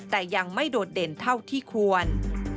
แต่ยังไม่โดดเด่นเท่าที่ควร